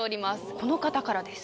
この方からです。